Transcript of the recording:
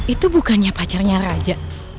itu bukannya pacarnya raja